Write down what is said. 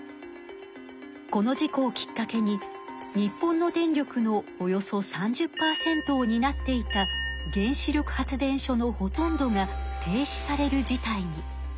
この事故をきっかけに日本の電力のおよそ３０％をになっていた原子力発電所のほとんどが停止される事態に。